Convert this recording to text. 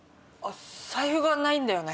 財布がないんだよね。